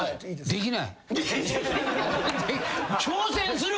「できない」